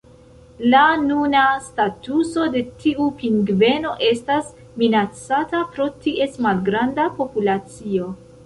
La nuna statuso de tiu pingveno estas minacata pro ties malgranda populacio.